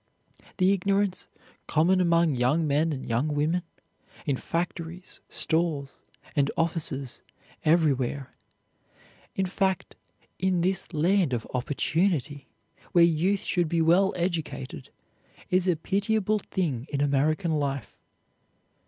The ignorance common among young men and young women, in factories, stores, and offices, everywhere, in fact, in this land of opportunity, where youth should be well educated, is a pitiable thing in American life.